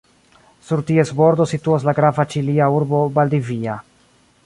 Sur ties bordo situas la grava ĉilia urbo Valdivia.